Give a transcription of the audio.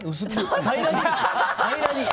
平らに。